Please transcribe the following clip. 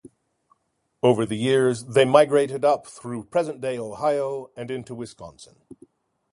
Over the years they migrated up through present-day Ohio and into Wisconsin.